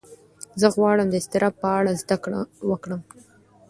زه غواړم د اضطراب په اړه زده کړه وکړم.